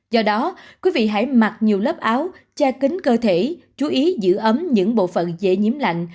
do đó quý vị hãy mặc nhiều lớp áo che kính cơ thể chú ý giữ ấm những bộ phận dễ nhiễm lạnh